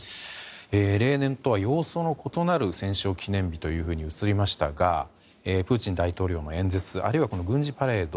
例年とは様相の異なる戦勝記念日と映りましたがプーチン大統領の演説あるいは軍事パレード。